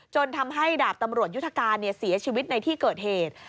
ทำให้ดาบตำรวจยุทธการเสียชีวิตในที่เกิดเหตุ